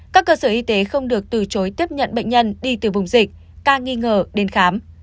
các cơ sở y tế không được từ chối tiếp nhận bệnh nhân đi từ vùng dịch ca nghi ngờ đến khám